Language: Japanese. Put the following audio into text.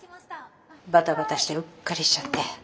バタバタしてうっかりしちゃって。